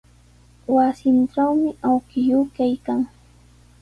Wasintrawmi awkilluu kaykan.